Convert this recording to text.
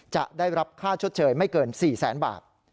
จะได้รับค่าชดเชยไม่เกิน๔แสนบาท